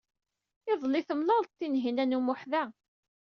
Iḍelli, temlaled-d Tinhinan u Muḥ da.